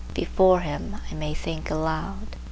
Before him I may think aloud.